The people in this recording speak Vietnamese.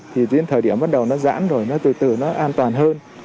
thì đến thời điểm bắt đầu nó giãn rồi nó từ từ nó an toàn hơn